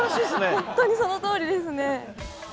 ほんとにそのとおりですね。